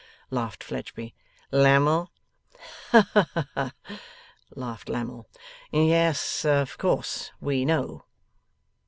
laughed Fledgeby. 'Lammle?' 'Ha ha!' laughed Lammle. 'Yes. Of course. We know.